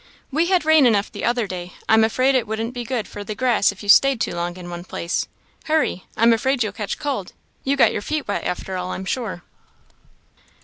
we had rain enough the other day; I'm afraid it wouldn't be good for the grass if you stayed too long in one place; hurry! I'm afraid you'll catch cold you got your feet wet after all, I'm sure."